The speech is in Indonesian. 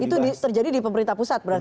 itu terjadi di pemerintah pusat berarti